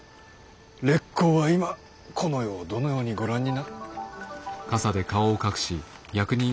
烈公は今この世をどのようにご覧に。